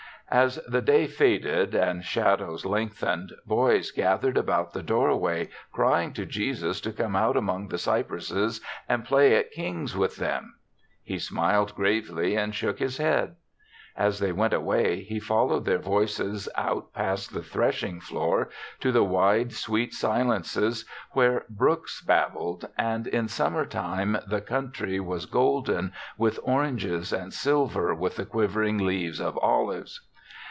As the day faded and shadows lengthened, boys gathered about the doorway, crying to Jesus to come out among the cypresses and play at "kings" with them. He smiled gravely and shook his head. As they went away, he followed their voices out past the threshing floor to the wide, sweet silences where brooks babbled, and in summer time the THE SEVENTH CHRISTMAS 15 country was golden with oranges and silver with the quivering leaves of olives.